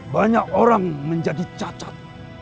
banyak orang menjadi cacat